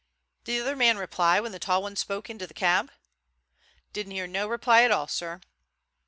"Did the other man reply when the tall one spoke into the cab?" "Didn't hear no reply at all, sir."